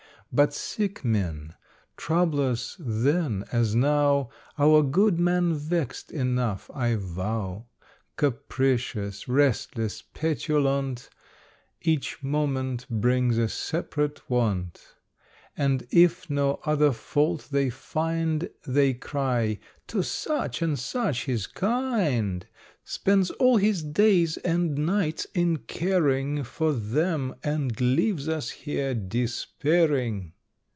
But sick men, troublous then, as now, Our good man vexed enough, I vow. Capricious, restless, petulant, Each moment brings a separate want; And, if no other fault they find, They cry, "To such and such he's kind: Spends all his days and nights in caring For them, and leaves us here despairing."